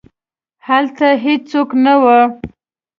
هلته هیڅوک نه وو.